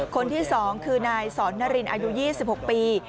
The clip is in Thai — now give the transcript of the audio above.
คนที่๒คือนายสอนนารินอายุ๒๖ปี